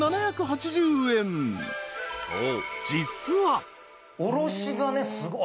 ［そう］